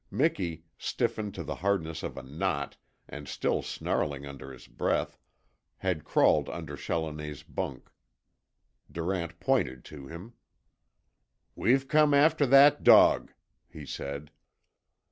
Miki, stiffened to the hardness of a knot, and still snarling under his breath, had crawled under Challoner's bunk. Durant pointed to him. "We've come after that dog," he said.